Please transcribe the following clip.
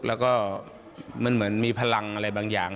แล้วก็มันเหมือนมีพลังอะไรบางอย่าง